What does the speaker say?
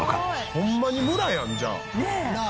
ホンマに村やんじゃあ。